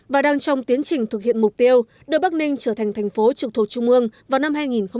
và đang trong tiến trình thực hiện mục tiêu đưa bắc ninh trở thành thành phố trực thuộc trung ương vào năm hai nghìn hai mươi